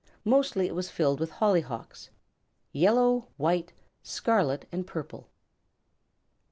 Mostly it was filled with hollyhocks yellow, white, scarlet and purple.